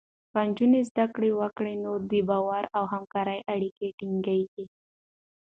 که نجونې زده کړه وکړي، نو د باور او همکارۍ اړیکې ټینګېږي.